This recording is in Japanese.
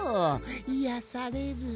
いやされる。